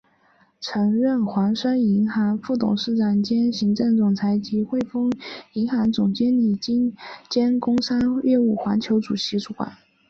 曾任恒生银行副董事长兼行政总裁及汇丰银行总经理兼工商业务环球联席主管。